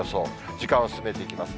時間を進めていきます。